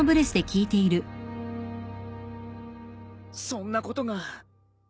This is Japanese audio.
そんなことが。